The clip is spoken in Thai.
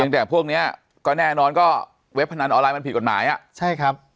แต่พวกเนี้ยก็แน่นอนก็เว็บพนันออนไลน์มันผิดกฎหมายอ่ะใช่ครับ